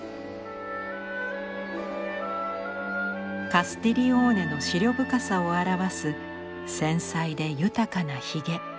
カスティリオーネの思慮深さを表す繊細で豊かなひげ。